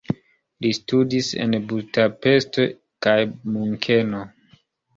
Li studis en Budapest kaj Munkeno.